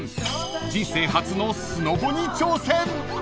人生初のスノボに挑戦］